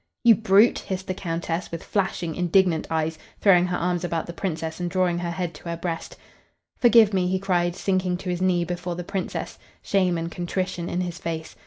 "You brute!" hissed the Countess, with flashing, indignant eyes, throwing her arms about the Princess and drawing her head to her breast. "Forgive me," he cried, sinking to his knee before the Princess, shame and contrition in his face.